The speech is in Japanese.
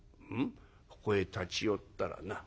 ここへ立ち寄ったらな